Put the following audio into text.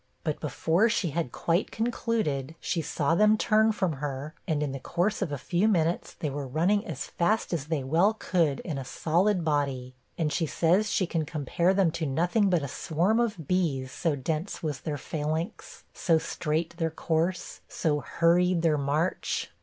But before she had quite concluded, she saw them turn from her, and in the course of a few minutes, they were running as fast as they well could in a solid body; and she says she can compare them to nothing but a swarm of bees, so dense was their phalanx, so straight their course, so hurried their march.